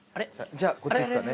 じゃあこっちですかね。